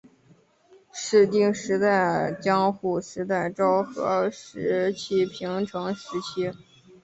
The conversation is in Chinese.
室町时代江户时代昭和时期平成时期